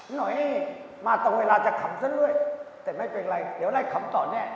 หน่อยมาตรงเวลาจะขำซะเรื่อยแต่ไม่เป็นไรเดี๋ยวไล่ขำต่อแน่